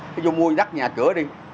cái vô mua đắt nhà cửa đi